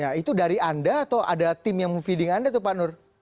ya itu dari anda atau ada tim yang memfeeding anda itu pak nur